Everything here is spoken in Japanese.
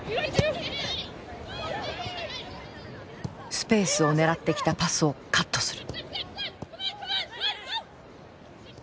スペースを狙ってきたパスをカットする。